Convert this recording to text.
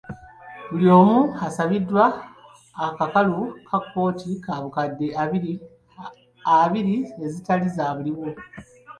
Buli omu asabiddwa akakalu ka kkooti ka bukadde abiri ezitali zaabuliwo.